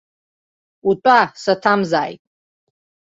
Утәа, саҭамзааит!